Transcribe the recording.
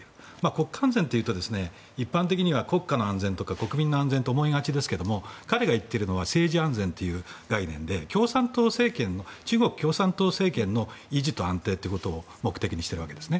国家安全というと一般的には国家の安全とか国民の安全と思いがちですが彼が言うのは政治安全という概念で中国共産党政権の維持と安定ということを目的としているわけです。